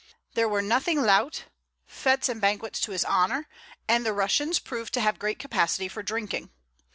There were nothing lout, fêtes and banquets to his honor, and the Russians proved to have great capacity for drinking.